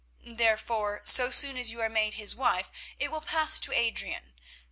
Therefore, so soon as you are made his wife it will pass to Adrian.